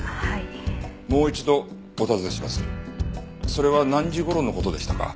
それは何時頃の事でしたか？